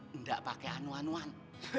gak pake anuan uan